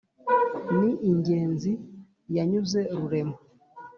ni ingezi yanyuze rurema